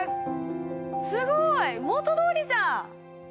すごい！元どおりじゃん！